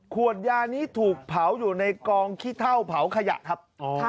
ขวดยานี้ถูกเผาอยู่ในกองขี้เท่าเผาขยะครับ